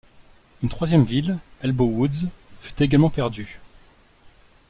Une troisième ville, Elbowoods, fut également perdue.